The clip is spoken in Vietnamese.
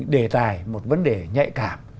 đề tài một vấn đề nhạy cảm